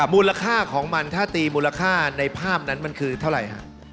มูลค่าของมันถ้าตีมูลค่าในภาพนั้นมันคือเท่าไหร่ฮะ